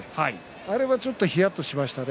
それはちょっとひやっとしましたね。